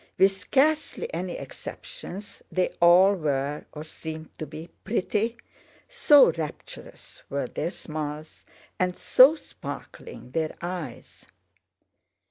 With scarcely any exceptions they all were, or seemed to be, pretty—so rapturous were their smiles and so sparkling their eyes.